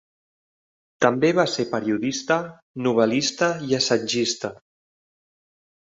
També va ser periodista, novel·lista i assagista.